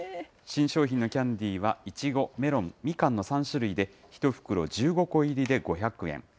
新商品のキャンディーは、イチゴ、メロン、ミカンの３種類で、１袋１５個入りで５００円。